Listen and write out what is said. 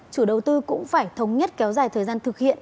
chủ đầu tư cũng phải thống nhất kéo dài thời gian thực hiện